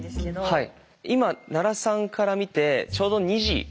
はい。